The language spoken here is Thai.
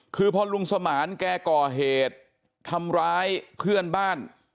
คือพอลุงสมานแกก่อเหตุทำร้ายเพื่อนบ้าน